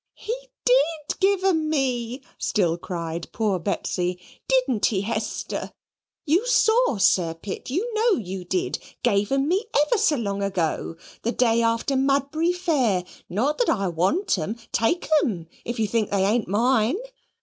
"He DID give 'em me," still cried poor Betsy; "didn't he, Hester? You saw Sir Pitt you know you did give 'em me, ever so long ago the day after Mudbury fair: not that I want 'em. Take 'em if you think they ain't mine."